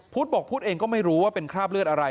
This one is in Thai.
บอกพุทธเองก็ไม่รู้ว่าเป็นคราบเลือดอะไร